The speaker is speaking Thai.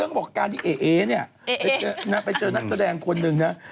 ความบอกเกาะการที่เอ๋ไปเจอนักแสดงคนนึงนะ